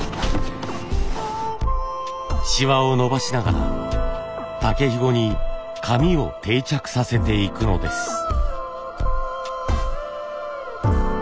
シワを伸ばしながら竹ひごに紙を定着させていくのです。